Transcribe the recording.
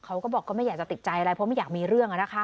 เขาก็บอกก็ไม่อยากจะติดใจอะไรเพราะไม่อยากมีเรื่อง